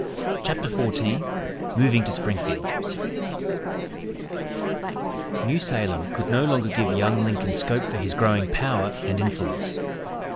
CHAPTER XIV MOVING TO SPRINGFIELD New Salem could no longer give young Lincoln scope for his growing power and influence.